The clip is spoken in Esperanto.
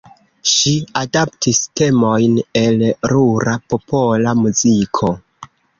Ŝi adaptis temojn el rura popola muziko.